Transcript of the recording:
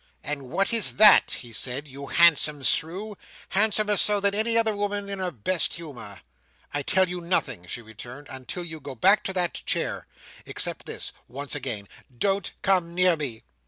"And what is that," he said, "you handsome shrew? Handsomer so, than any other woman in her best humour?" "I tell you nothing," she returned, until you go back to that chair—except this, once again—Don't come near me!